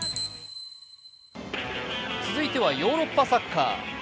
続いてはヨーロッパサッカー。